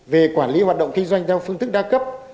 về quản lý hoạt động kinh doanh theo phương thức đa cấp